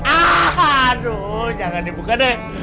aduh jangan dibuka deh